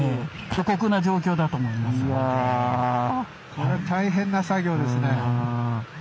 これは大変な作業ですね。